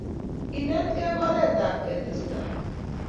kenetkei ko oret ap ketestai